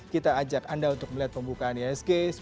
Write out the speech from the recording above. kita ajak anda untuk melihat pembukaan isg